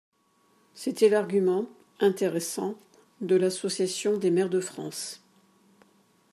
C’était l’argument, intéressant, de l’Association des maires de France.